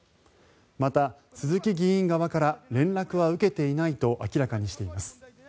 また、鈴木議員側から連絡は受けていないと明らかにしています。